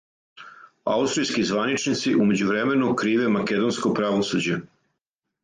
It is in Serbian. Аустријски званичници у међувремену криве македонско правосуђе.